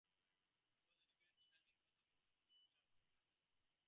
He was educated at Trent University and Westminster Seminary.